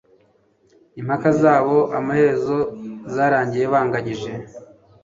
Impaka zabo amaherezo zarangiye banganyije.